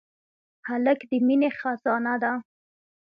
هلک د مینې خزانه ده.